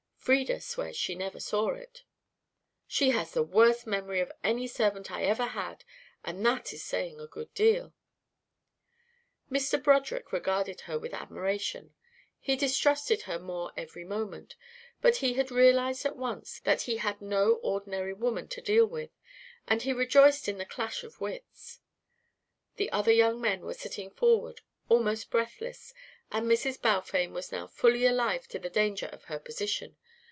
"Frieda swears she never saw it." "She has the worst memory of any servant I ever had, and that is saying a good deal." Mr. Broderick regarded her with admiration. He distrusted her more every moment, but he had realised at once that he had no ordinary woman to deal with, and he rejoiced in the clash of wits. The other young men were sitting forward, almost breathless, and Mrs. Balfame was now fully alive to the danger of her position.